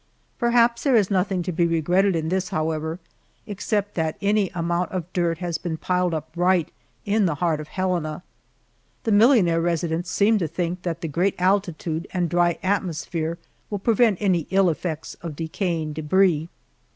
Perhaps there is nothing to be regretted in this, however, except that any amount of dirt has been piled up right in the heart of Helena. The millionaire residents seem to think that the great altitude and dry atmosphere will prevent any ill effects of decaying debris.